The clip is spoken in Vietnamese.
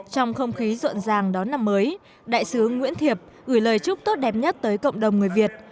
trong không khí rộn ràng đón năm mới đại sứ nguyễn thiệp gửi lời chúc tốt đẹp nhất tới cộng đồng người việt